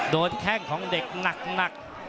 แข้งของเด็กหนัก